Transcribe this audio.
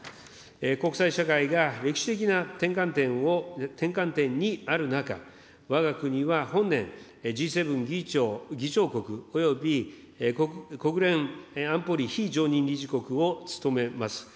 国際社会が歴史的な転換点にある中、わが国は本年、Ｇ７議長国および国連安保理非常任理事国を務めます。